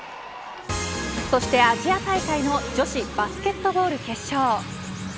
そしてアジア大会の女子バスケットボール決勝。